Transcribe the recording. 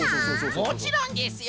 もちろんですよ！